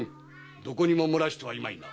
どこにも漏らしてはいまいな？